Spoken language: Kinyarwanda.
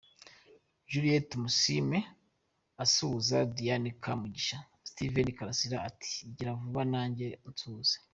Juliet Tumusiime asuhuza Diana Kamugisha, Steven Karasira ati 'gira vuba nanjye unsuhuze'.